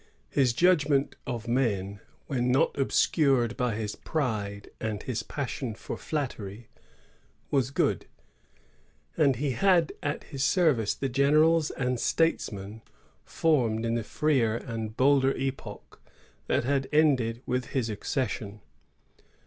His judgment of men, when not obscured by his pride and his passion for flattery, was good; and he had at his service the generals and statesiyien formed in the freer and bolder epoch that had ended with his accession.